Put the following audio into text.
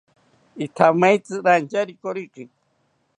Ithamaetzi rantyari koriki